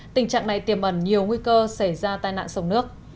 tình trạng này tiềm ẩn nhiều nguy cơ xảy ra tai nạn sông nước